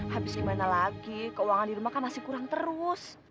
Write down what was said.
habis gimana lagi keuangan di rumah kan masih kurang terus